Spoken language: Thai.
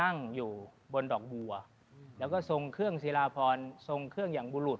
นั่งอยู่บนดอกบัวแล้วก็ทรงเครื่องศิลาพรทรงเครื่องอย่างบุรุษ